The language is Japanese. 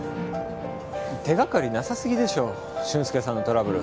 手がかりなさすぎでしょ俊介さんのトラブル。